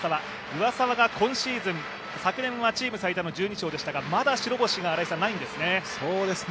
上沢が今シーズン、昨年はチーム最多の１２勝でしたが、まだ白星がないんですね。